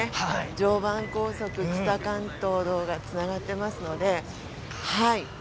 常磐高速北関東道がつながっていますので。